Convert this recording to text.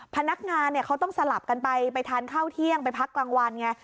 พนักงานเขาต้องสลับกันไปไปทานข้าวเที่ยงไปพักกลางวันไง